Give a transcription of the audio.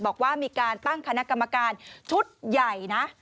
บอกว่ามีการตั้งคณะกรรมการชุดใหญ่นะ